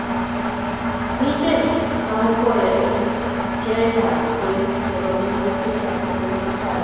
Mitei kamwokya eng pcheetab kwen nebo mengotet neo Kampala